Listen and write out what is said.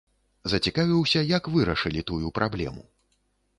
Зацікавіўся, як вырашылі тую праблему.